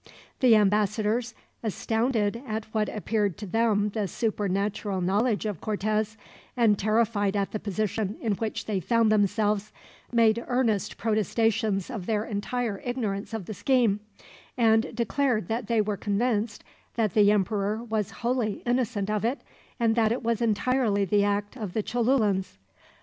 The ambassadors, astounded at what appeared to them the supernatural knowledge of Cortez, and terrified at the position in which they found themselves, made earnest protestations of their entire ignorance of the scheme; and declared that they were convinced that the emperor was wholly innocent of it, and that it was entirely the act of the Cholulans.